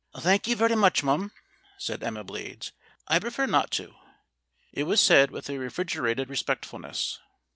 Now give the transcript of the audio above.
"Thank you very muchum," said Emma Blades. "I'd prefer not to." It was said with a refrigerated respectfulness.